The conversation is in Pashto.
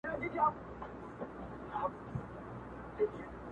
زه چي دېرش رنځه د قرآن و سېپارو ته سپارم~